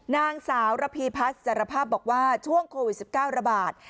นางสาวระพีพัฒน์สารภาพบอกว่าช่วงโควิด๑๙ระบาด